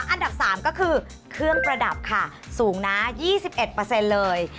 อันดับ๓ก็คือเครื่องประดับค่ะสูงนะ๒๑เลย